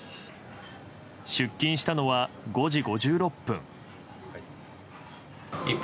出勤したのは５時５６分。